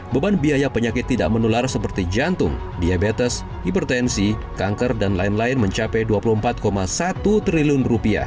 beban biaya penyakit tidak menular seperti jantung diabetes hipertensi kanker dan lain lain mencapai rp dua puluh empat satu triliun